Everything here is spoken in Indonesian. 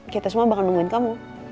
kita semua bakal nungguin kamu